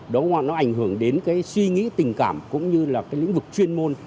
đó hoặc nó ảnh hưởng đến suy nghĩ tình cảm cũng như là lĩnh vực chuyên môn